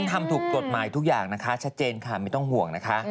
ทำถูกกฎหมายทุกอย่างนะคะชัดเจนค่ะไม่ต้องห่วงนะคะ